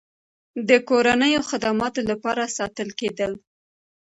د کورنیو خدماتو لپاره ساتل کېدل.